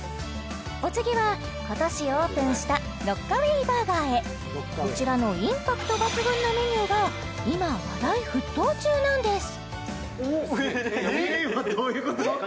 お次は今年オープンしたＲｏｃｋａｗａｙＢｕｒｇｅｒへこちらのインパクト抜群のメニューが今話題沸騰中なんですえっ！